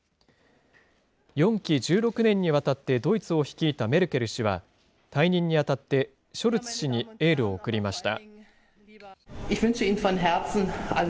４期１６年にわたってドイツを率いたメルケル氏は、退任にあたって、ショルツ氏にエールを送りました。